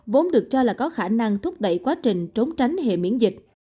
vốn được cho là có khả năng thúc đẩy quá trình trốn tránh hệ miễn dịch